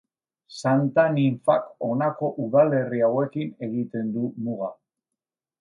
Santa Ninfak honako udalerri hauekin egiten du muga.